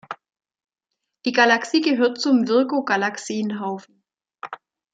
Die Galaxie gehört zum Virgo-Galaxienhaufen.